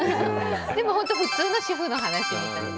でも本当、普通の主婦の話。